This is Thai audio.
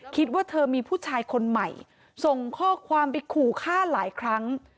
คิดว่าเธอมีผู้ชายคนใหม่ส่งข้อความไปขู่ฆ่าหลายครั้ง